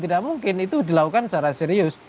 tidak mungkin itu dilakukan secara serius